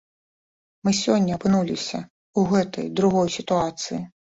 Мы сёння апынуліся ў гэтай другой сітуацыі.